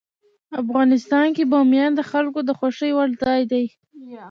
افغانستان کې بامیان د خلکو د خوښې وړ ځای دی.